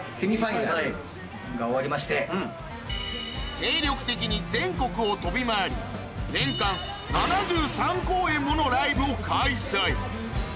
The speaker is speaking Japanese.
精力的に全国を飛び回り年間７３公演ものライブを開催